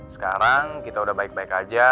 sekarang kita udah baik baik aja